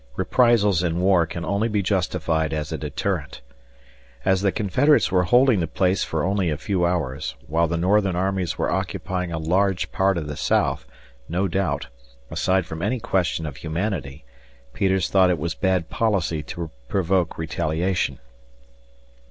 Reprisals in war can only be justified as a deterrent. As the Confederates were holding the place for only a few hours, while the Northern armies were occupying a large part of the South, no doubt, aside from any question of humanity, Peters thought it was bad policy to provoke retaliation.